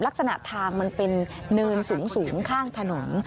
ลักษณะทางมันเป็นเนินสูงข้างถนน